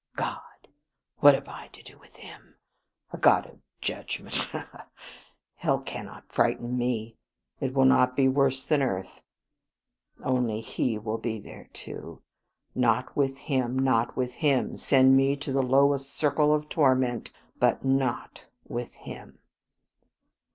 God! What have I to do with Him? A God of Judgment. Ha, ha! Hell cannot frighten me; it will not be worse than earth. Only he will be there too. Not with him, not with him, send me to the lowest circle of torment, but not with him.